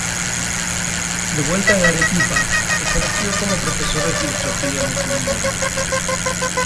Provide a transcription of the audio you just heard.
De vuelta en Arequipa, ejerció como profesor de Filosofía en el Seminario.